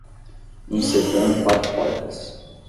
Um sedã quatro portas.